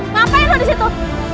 ngapain lu disitu